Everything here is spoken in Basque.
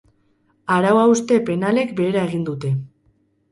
Arau-hauste penalek behera egin dute.